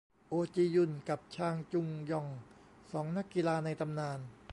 โอจียุนกับชางจุงยอง สองนักกีฬาในตำนาน